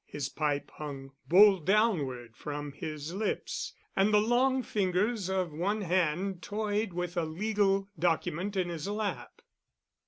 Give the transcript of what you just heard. His pipe hung bowl downward from his lips, and the long fingers of one hand toyed with a legal document in his lap.